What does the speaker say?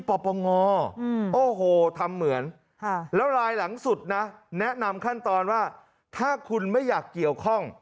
ปปงโอ้โหทำเหมือนแล้วรายหลังสุดนะแนะนำขั้นตอนว่าถ้าคุณไม่อยากเกี่ยวข้อง